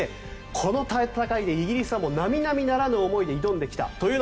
この戦いでイギリスは並々ならぬ思いで挑んできた。